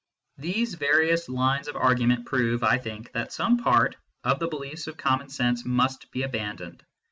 These various lines of argument prove, I think, that some part of the beliefs of common sense must be aban doned.